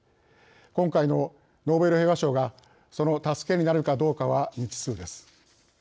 今回のノーベル平和賞がその助けになるかどうかは未知数です。